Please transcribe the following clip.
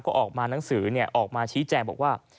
ก็ออกมาหนังสือออกมาชี้แจงบอกว่า